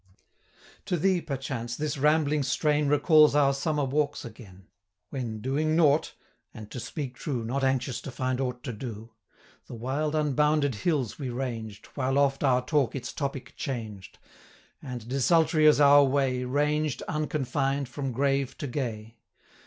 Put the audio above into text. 155 To thee, perchance, this rambling strain Recalls our summer walks again; When, doing nought, and, to speak true, Not anxious to find aught to do, The wild unbounded hills we ranged, 160 While oft our talk its topic changed, And, desultory as our way, Ranged, unconfined, from grave to gay.